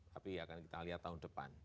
tapi akan kita lihat tahun depan